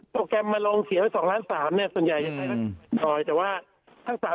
โปรแกรมมาลงเสียไป๒๓๐๐๐๐๐บาทส่วนใหญ่ก็ใช้แต่ว่า